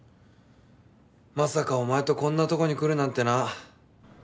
まさかおまえとこんなとこに来るなんてな。